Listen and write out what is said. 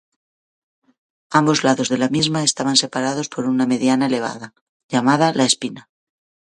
Ambos lados de la misma estaban separados por una mediana elevada, llamada la "spina".